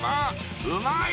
うまい！